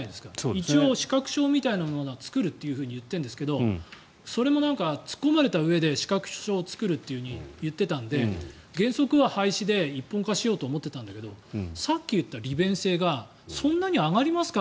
一応資格証みたいなものが作るというふうに言ってるんですけどそれも突っ込まれたうえで資格証を作るって言っていたので原則は廃止で一本化しようと思ってたんだけどさっき言った利便性がそんなに上がりますか？